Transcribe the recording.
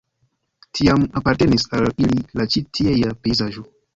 Tiam apartenis al ili la ĉi tiea pejzaĝo.